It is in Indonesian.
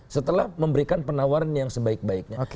setelah memberikan penawaran yang sebaik baiknya